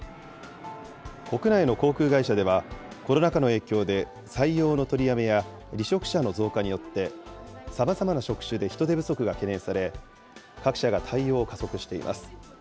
国内の航空会社では、コロナ禍の影響で採用の取りやめや離職者の増加によって、さまざまな職種で人手不足が懸念され、各社が対応を加速しています。